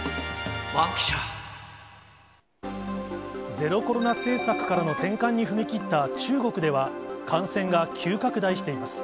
ゼロコロナ政策からの転換に踏み切った中国では、感染が急拡大しています。